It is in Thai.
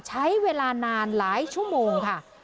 ใช้เวลานานหลายชั่วโมงค่ะ